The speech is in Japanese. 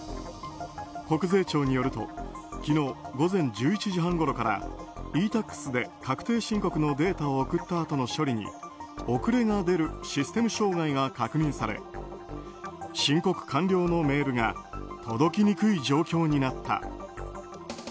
国税庁によると昨日午前１１時半ごろからｅ‐Ｔａｘで確定申告のデータを送ったあとの処理に遅れが出るシステム障害が確認され申告完了のメールが届きにくい状況になった。